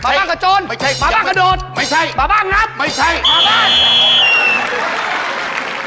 หมาบ้างกระโจนหมาบ้างกระโดดหมาบ้างนับหมาบ้าง